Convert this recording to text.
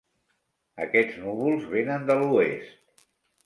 Aquests núvols venen de l'oest.